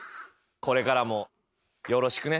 これからもよろしくね。